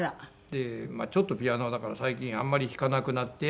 でちょっとピアノはだから最近あんまり弾かなくなって。